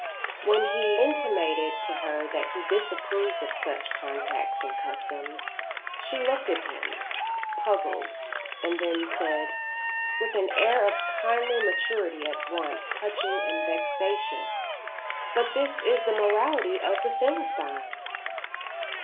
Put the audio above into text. When he intimated to her that he disapproved of such contacts and customs, she looked at him, puzzled, and then said, with an air of kindly maturity at once touching and vexatious: "But that is the morality of the Philistines."